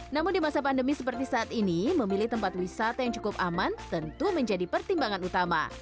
namun di masa pandemi seperti saat ini memilih tempat wisata yang cukup aman tentu menjadi pertimbangan utama